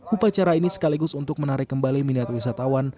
upacara ini sekaligus untuk menarik kembali minat wisatawan